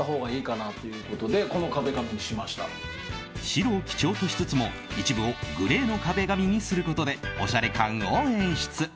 白を基調としつつも一部をグレーの壁紙にすることでおしゃれ感を演出！